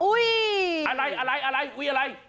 อะไรอะไรอะไรอุ๊ยอะไร